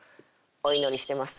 お祈りしてます。